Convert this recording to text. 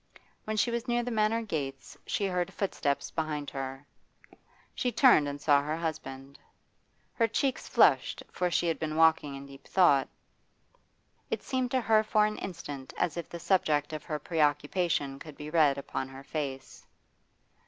When she was near the Manor gates she heard footsteps behind her. She turned and saw her husband. Her cheeks flushed, for she had been walking in deep thought. It seemed to her for an instant as if the subject of her preoccupation could be read upon her face.